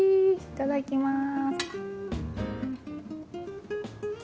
いただきます。